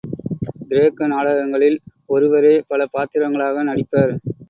கிரேக்க நாடகங்களில் ஒருவரே பல பாத்திரங்களாக நடிப்பர்.